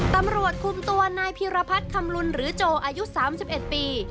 ตำรวจคุมตัวนายพีรพัฒน์คำลุนหรือโจอายุ๓๑ปี